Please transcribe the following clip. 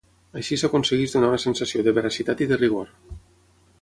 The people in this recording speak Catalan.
Així s'aconsegueix donar una sensació de veracitat i de rigor.